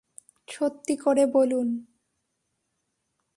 সত্যি করে বলুন।